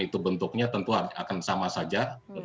itu bentuknya tentu akan sama saja